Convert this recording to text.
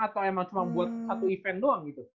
atau emang cuma buat satu event doang gitu